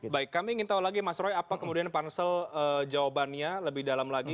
baik kami ingin tahu lagi mas roy apa kemudian pansel jawabannya lebih dalam lagi